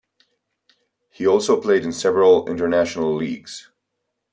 He also played in several international leagues.